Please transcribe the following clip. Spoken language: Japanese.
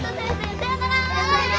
さよなら！